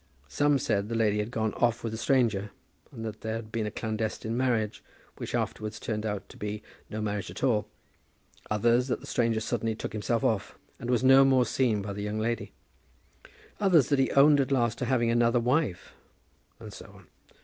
Some said the lady had gone off with the stranger, and that there had been a clandestine marriage, which afterwards turned out to be no marriage at all; others, that the stranger suddenly took himself off, and was no more seen by the young lady; others that he owned at last to having another wife, and so on.